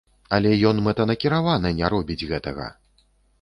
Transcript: Але ён мэтанакіравана не робіць гэтага!